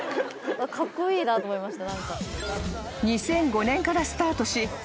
カッコイイなと思いました。